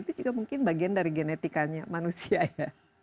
itu juga mungkin bagian dari genetikanya manusia ya